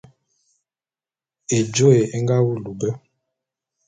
Ejôé é nga wulu be.